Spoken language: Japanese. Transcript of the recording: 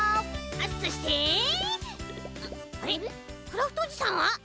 クラフトおじさんは？